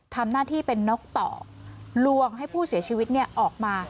ทำหน้าที่เป็นนกต่อลวงให้ผู้เสียชีวิตออกมา